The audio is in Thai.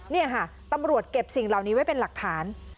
นี่ค่ะตำรวจเก็บสิ่งเหล่านี้ไว้เป็นหลักฐาน